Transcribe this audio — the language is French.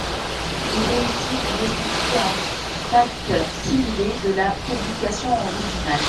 Il est ici restitué en fac-similé de la publication originale.